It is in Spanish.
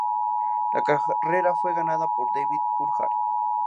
La carrera fue ganada por David Coulthard.